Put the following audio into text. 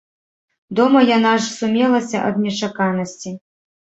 Дома яна аж сумелася ад нечаканасці.